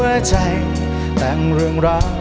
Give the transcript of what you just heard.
ไปชมกันได้เลย